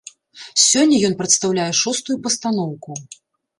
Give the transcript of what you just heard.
Сёння ён прадстаўляе шостую пастаноўку.